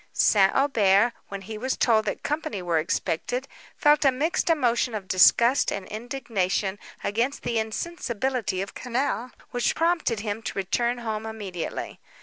St. Aubert, when he was told that company were expected, felt a mixed emotion of disgust and indignation against the insensibility of Quesnel, which prompted him to return home immediately.